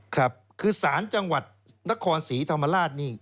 ครับคือสารจังหวัดนครศรีธรรมราชนี่